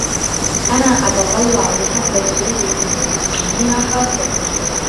أنا أتتطلع لحفلة عيد القديسيين خاصتك.